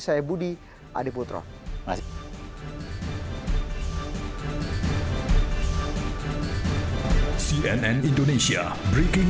demikian breaking news cnn indonesia pada malam hari ini